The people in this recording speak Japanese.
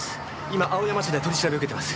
今青山署で取り調べ受けてます。